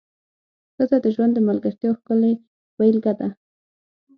ښځه د ژوند د ملګرتیا ښکلې بېلګه ده.